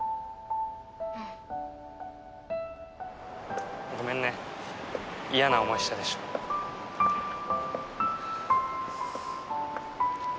うんごめんね嫌な思いしたでしょ明